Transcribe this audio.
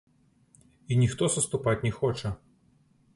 І ніхто саступаць не хоча.